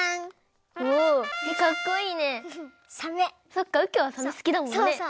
そっかうきょうはサメすきだもんね。